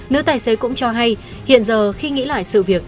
nữ tài xế cũng cho hay hiện giờ khi nghĩ lại sự việc